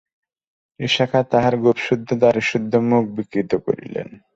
ইশা খাঁ তাঁহার গোঁফসুদ্ধ দাড়িসুদ্ধ মুখ বিকৃত করিলেন।